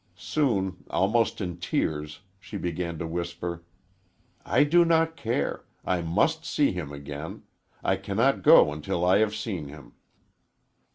Soon, almost in tears, she began to whisper: "I do not care. I must see him again. I cannot go until I have seen him."